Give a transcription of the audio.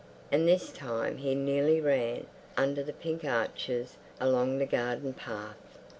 And this time he nearly ran, under the pink arches, along the garden path.